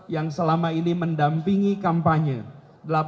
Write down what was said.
yang selama ini mendampingi kampanye